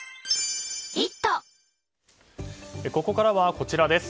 ここからはこちらです。